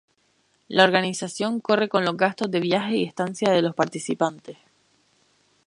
La organización corre con los gastos de viaje y estancia de los participantes.